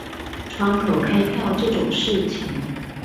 窗口開票這種事情